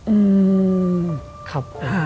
อืมครับ